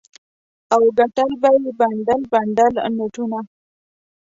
او ګټل به یې بنډل بنډل نوټونه.